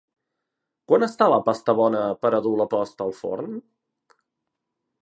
Quan està la pasta bona per a dur la post al forn?